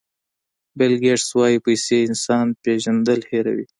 بیل ګېټس وایي پیسې انسان پېژندل هیروي.